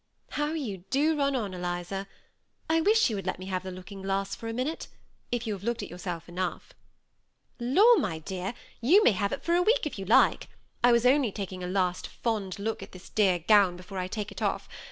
" How you do run on, Eliza ! I wish you would let me have the looking glass for one minute, if you have looked at yourself enough." " Law, my dear, you may have it for a week if you like. I was only taking a last fond look at this dear gown, before I take it off.